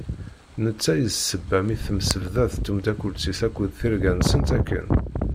D netta d i d sebba mi temsebḍa d temdakelt-is akked tirga-nsent akken.